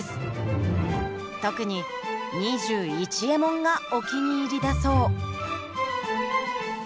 特に「２１エモン」がお気に入りだそう。